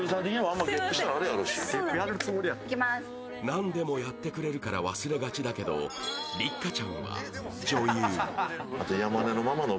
何でもやってくれるから忘れがちだけど、六花ちゃんは女優。